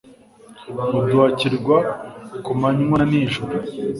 uduhakirwa ku manywa na nijoro